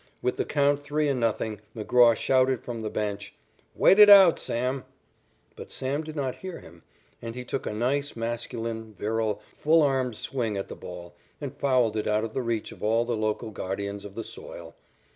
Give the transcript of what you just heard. With the count three and nothing, McGraw shouted from the bench: "Wait it out, Sam!" But Sam did not hear him, and he took a nice masculine, virile, full armed swing at the ball and fouled it out of the reach of all the local guardians of the soil.